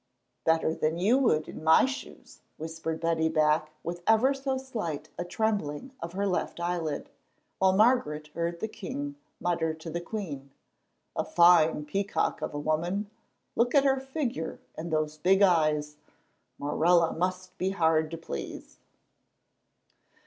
"Better than you would in my shoes," whispered Betty back with ever so slight a trembling of her left eyelid; while Margaret heard the king mutter to the queen: "A fine peacock of a woman. Look at her figure and those big eyes. Morella must be hard to please."